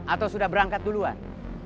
atau sudah berangkat duluan